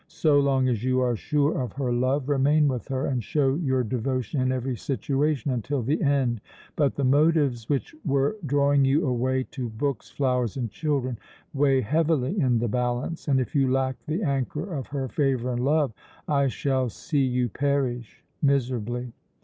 So long as you are sure of her love, remain with her, and show your devotion in every situation until the end. But the motives which were drawing you away to books, flowers, and children, weigh heavily in the balance, and if you lack the anchor of her favour and love, I shall see you perish miserably.